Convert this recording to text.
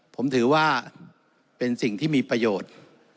ผมถือว่าเป็นสิ่งที่มีประโยชน์